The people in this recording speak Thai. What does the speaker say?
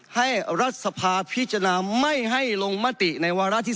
รัฐสภาพิจารณาไม่ให้ลงมติในวาระที่๒